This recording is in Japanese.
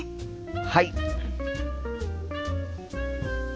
はい！